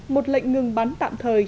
một lệnh ngừng bắn tạm thời